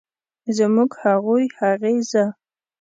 زموږ، هغوی ، هغې ،زه